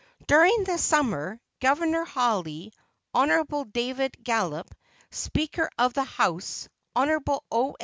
During the summer, Governor Hawley, Hon. David Gallup, Speaker of the House, Hon. O.